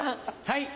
はい。